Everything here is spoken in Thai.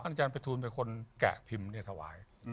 ท่านอาจารย์ภัยทูลเป็นคนแกะพิมพ์เนี่ยถวาย